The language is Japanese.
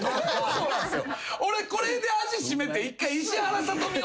そうなんすよ。